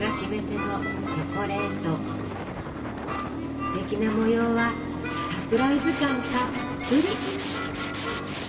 ステキな模様はサプライズ感たっぷり！